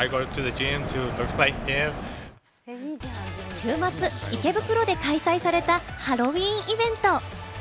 週末、池袋で開催されたハロウィンイベント。